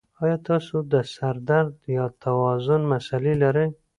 ایا تاسو د سر درد یا توازن مسلې لرئ؟